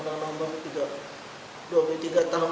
undang undang nomor dua puluh tiga tahun dua ribu dua